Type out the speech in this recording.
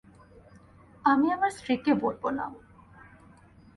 আমি আমার স্ত্রীকে পর্যন্ত বলব না।